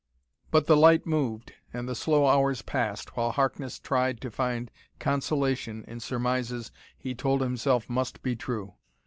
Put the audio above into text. But the light moved, and the slow hours passed, while Harkness tried to find consolation in surmises he told himself must be true.